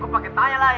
gue pake tayelah